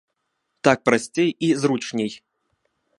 Так прасцей і зручней.